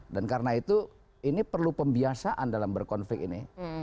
dan karena itu ini perlu pembiasaan dalam berkonflik ini